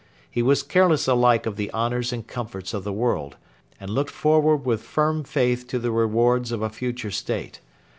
He was careless alike of the honours and comforts of the world, and looked forward with firm faith to the rewards of a future state.